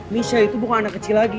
misha itu bukan anak kecil lagi